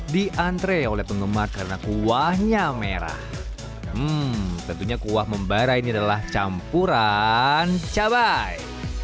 diantre oleh penggemar karena kuahnya merah tentunya kuah membara ini adalah campuran cabai